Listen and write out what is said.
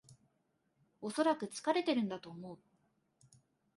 おそらく疲れてるんだと思う